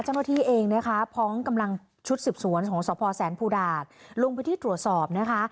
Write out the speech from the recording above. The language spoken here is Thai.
เจ้าหน้าที่เองนะคะพร้อมกำลังชุดสืบสวนของสพแสนภูดาตลงพื้นที่ตรวจสอบนะคะ